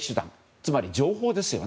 つまり情報ですね。